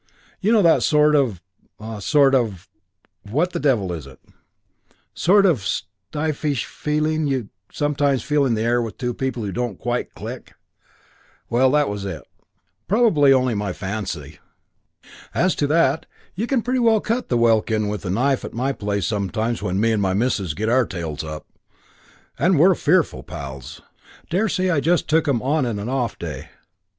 You know that sort of sort of what the devil is it? sort of stiffish feeling you sometimes feel in the air with two people who don't quite click. Well, that was it. Probably only my fancy. As to that, you can pretty well cut the welkin with a knife at my place sometimes when me and my missus get our tails up; and we're fearful pals. Daresay I just took 'em on an off day.